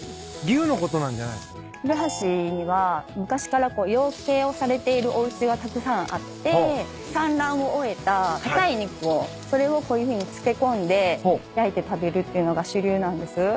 古橋には昔から養鶏をされているおうちがたくさんあって産卵を終えた硬い肉をそれをこういうふうに漬け込んで焼いて食べるっていうのが主流なんです。